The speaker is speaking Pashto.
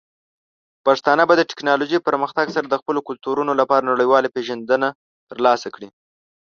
پښتانه به د ټیکنالوجۍ پرمختګ سره د خپلو کلتورونو لپاره نړیواله پیژندنه ترلاسه کړي.